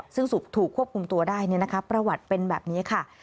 ซึ่งถูกควบคุมตัวได้ประวัติเป็นแบบนี้ค่ะ